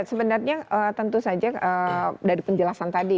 sebenarnya tentu saja dari penjelasan tadi